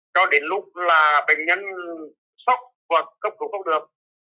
cho đến lúc là bệnh nhân sốc hoặc cấp cứu không được